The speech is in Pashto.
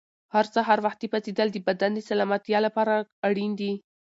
هر سهار وختي پاڅېدل د بدن د سلامتیا لپاره اړین دي.